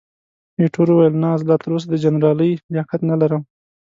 ایټور وویل، نه، زه لا تراوسه د جنرالۍ لیاقت نه لرم.